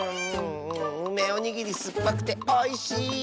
うめおにぎりすっぱくておいしい！